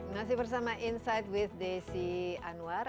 masih bersama insight with desi anwar